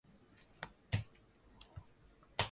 Watu bilioni tatu nukta moja huishi ndani yake